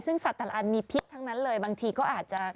ซึ่งสัตว์แต่ละอันมีพิษทั้งนั้นเลยบางทีก็อาจจะ